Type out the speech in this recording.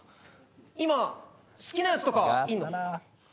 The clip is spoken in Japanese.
今、好きなやつとかいんの？